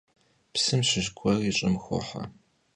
Psım şış gueri ş'ım xohe.